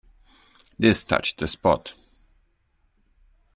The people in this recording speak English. This touched the spot.